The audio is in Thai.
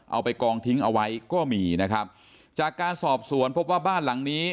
เอาไปกองทิ้งเอาไว้ก็มีนะครับจากการสอบสวนพบว่าบ้านหลังนี้